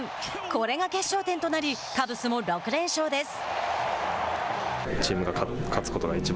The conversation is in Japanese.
これが決勝点となりカブスも６連勝です。